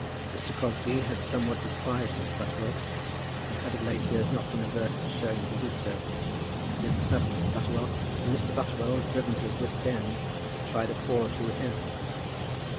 Mr. Crosbie had somewhat despised Mr. Butterwell, and had of late years not been averse to showing that he did so. He had snubbed Mr. Butterwell, and Mr. Butterwell, driven to his wits' ends, had tried a fall or two with him.